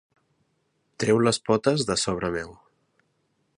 Treu les potes de sobre meu!